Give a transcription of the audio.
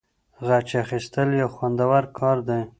غچ اخیستل یو خوندور کار دی.